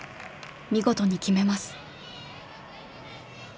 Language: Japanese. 見事に決めます。